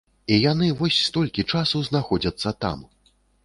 І яны вось столькі часу знаходзяцца там.